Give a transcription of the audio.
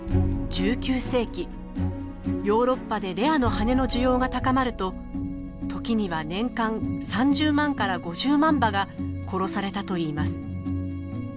１９世紀ヨーロッパでレアの羽の需要が高まると時には年間３０万から５０万羽が殺されたといいます。